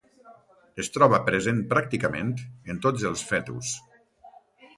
Es troba present pràcticament en tots els fetus.